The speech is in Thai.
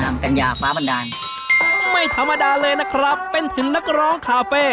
ไม่ธรรมดาเลยนะครับเป็นถึงนักร้องคาเฟ้